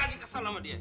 gue lagi kesal sama dia